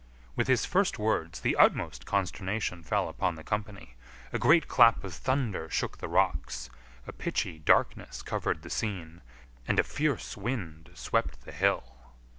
With his first words the utmost consternation fell upon the company. A great clap of thunder shook the rocks, a pitchy darkness covered the scene, and a fierce wind swept the hill.